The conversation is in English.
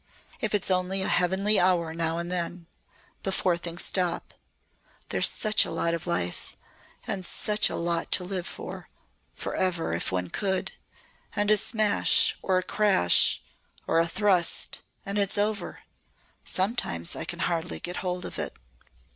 If it's only a heavenly hour now and then. Before things stop. There's such a lot of life and such a lot to live for forever if one could. And a smash or a crash or a thrust and it's over! Sometimes I can hardly get hold of it."